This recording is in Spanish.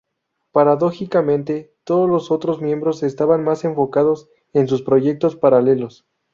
Paradójicamente, todos los otros miembros estaban más enfocados en sus proyectos paralelos.